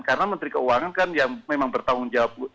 karena menteri keuangan kan ya memang bertanggung jawab